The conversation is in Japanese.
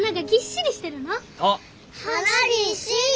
花ぎっしり？